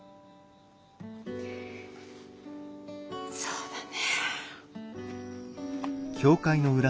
そうだね。